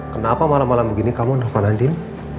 kenapa malam malam begini kamu telfon andin